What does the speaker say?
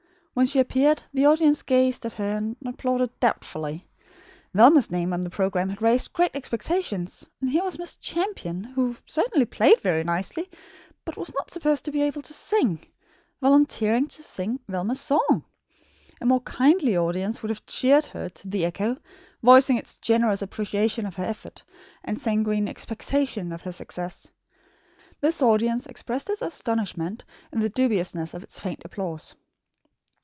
When she appeared, the audience gazed at her and applauded doubtfully. Velma's name on the programme had raised great expectations; and here was Miss Champion, who certainly played very nicely, but was not supposed to be able to sing, volunteering to sing Velma's song. A more kindly audience would have cheered her to the echo, voicing its generous appreciation of her effort, and sanguine expectation of her success. This audience expressed its astonishment, in the dubiousness of its faint applause.